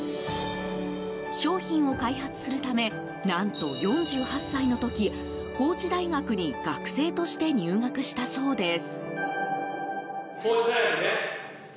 商品を開発するため何と、４８歳の時高知大学に学生として入学したそうです。